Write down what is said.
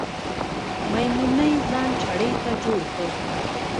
میمونۍ ځان چړې ته جوړ که